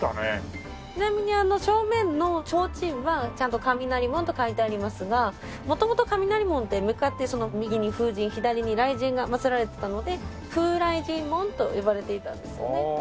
ちなみにあの正面のちょうちんはちゃんと「雷門」と書いてありますが元々雷門って向かって右に風神左に雷神が祭られていたので風雷神門と呼ばれていたんですよね。